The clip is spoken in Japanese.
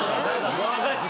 ごまかして。